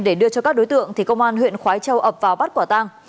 để đưa cho các đối tượng thì công an huyện khói châu ập vào bắt quả tang